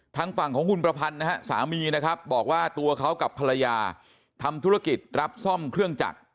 ทางฝั่งของคุณประพันธ์นะฮะสามีนะครับบอกว่าตัวเขากับภรรยาทำธุรกิจรับซ่อมเครื่องจักร